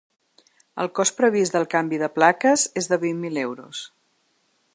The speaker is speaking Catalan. El cost previst del canvi de plaques és de vint mil euros.